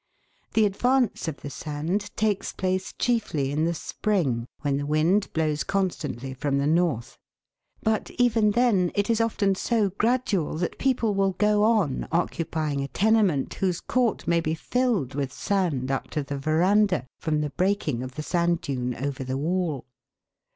The advance of the sand takes place chiefly in the spring, when the wind blows constantly from the north ; but even then it is often so gradual that people will go on occupying a tenement, whose court may be filled with sand up to the verandah, from the breaking of the sand dune over the wall.